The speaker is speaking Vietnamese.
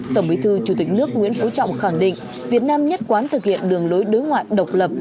tổng bí thư chủ tịch nước nguyễn phú trọng khẳng định việt nam nhất quán thực hiện đường lối đối ngoại độc lập